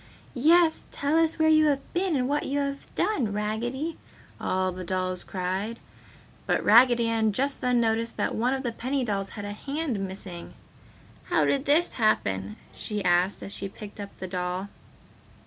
"Yes! Tell us where you have been and what you have done, Raggedy!" all the dolls cried. But Raggedy Ann just then noticed that one of the penny dolls had a hand missing. "How did this happen?" she asked as she picked up the doll.